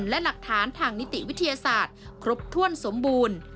และหลักฐานทางนิติวิทยาศาสตร์ครบถ้วนสมบูรณ์